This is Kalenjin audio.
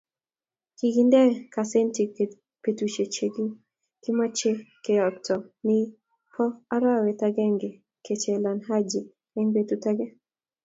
Kikente kasetiii betushe che kimocheikeyookto ni bo arawet akenge kochelewan Haji eng betut akenge.